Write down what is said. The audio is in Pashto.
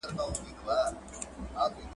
علوم په کلي ډول په دوو لويو برخو وېشل کيږي.